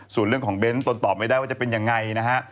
ส่วนเรื่องของเบนท์ตนตอบไม่ได้ว่าจะเป็นยังไงนะฮะ